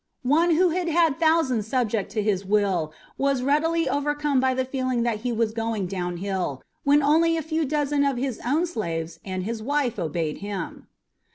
One who had had thousands subject to his will was readily overcome by the feeling that he was going down hill, when only a few dozen of his own slaves and his wife obeyed him."